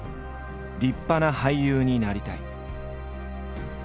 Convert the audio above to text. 「りっぱな俳優になりたい」。